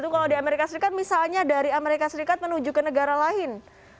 kalau di amerika serikat misalnya dari amerika serikat menuju ke negara lain